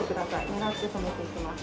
狙って染めていきます。